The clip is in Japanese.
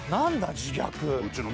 「自虐」。